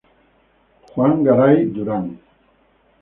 Juan Garay duran.